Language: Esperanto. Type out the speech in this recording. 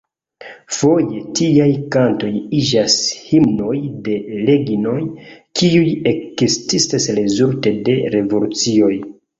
Foje tiaj kantoj iĝas himnoj de regnoj, kiuj ekestas rezulte de revolucioj.